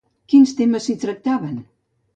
Quins temes s'hi tractaven?